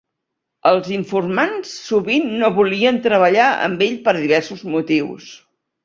Els informants sovint no volien treballar amb ell per diversos motius.